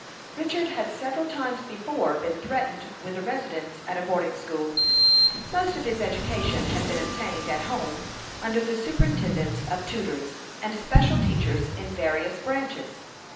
Richard had several times before been threatened with a residence at a boarding school. Most of his education had been obtained at home, under the superintendence of tutors, and special teachers in various branches.